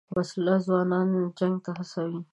وسله ځوانان جنګ ته هڅوي